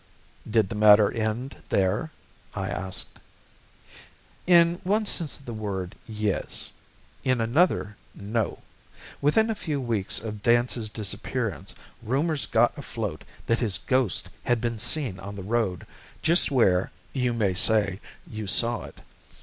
"Did the matter end there?" I asked. "In one sense of the word, yes in another, no. Within a few weeks of Dance's disappearance rumours got afloat that his ghost had been seen on the road, just where, you may say, you saw it.